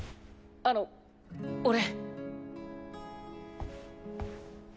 あの俺。